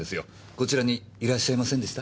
こちらにいらっしゃいませんでした？